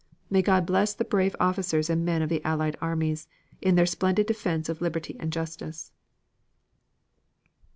May God bless the brave officers and men of the Allied armies in their splendid defense of liberty and justice!